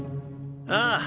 ああ。